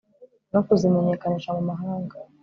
no kuzimenyekanisha mu mahanga